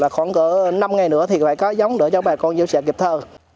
khoảng năm ngày nữa thì phải có giống để cho bà con gieo xạ kịp thơ